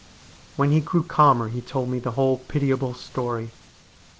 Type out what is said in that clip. When he grew calmer he told me the whole pitiable story.